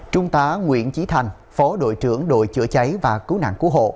trung tá nguyễn trí thành phó đội trưởng đội chữa cháy và cứu nạn cứu hộ